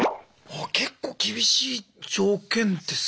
結構厳しい条件ですね。